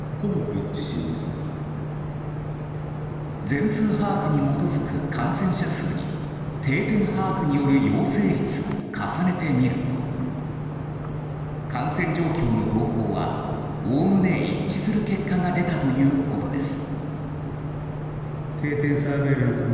全数把握に基づく感染者数に定点把握による陽性率を重ねてみると感染状況の動向はおおむね一致する結果が出たということです。